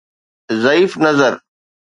ضعيف نظر